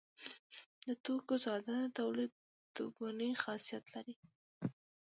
د توکو ساده تولید دوه ګونی خاصیت لري.